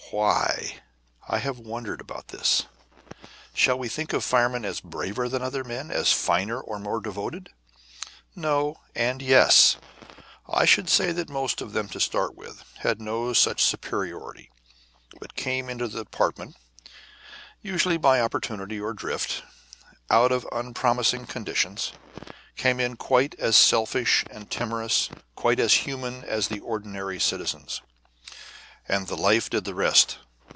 Why? I have wondered about this. Shall we think of firemen as braver than other men, as finer or more devoted? No and yes. I should say that most of them, to start with, had no such superiority, but came into the department (usually by opportunity or drift) out of unpromising conditions, came in quite as selfish and timorous, quite as human as the ordinary citizens. And the life did the rest.